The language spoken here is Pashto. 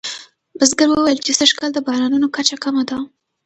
بزګر وویل چې سږکال د بارانونو کچه کمه وه.